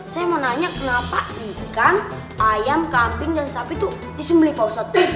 saya mau nanya kenapa ikan ayam kambing dan sapi itu disembeli ustad